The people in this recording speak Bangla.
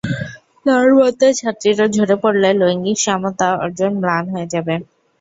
তাঁর মতে, ছাত্রীরা ঝরে পড়লে লৈঙ্গিক সমতা অর্জন ম্লান হয়ে যাবে।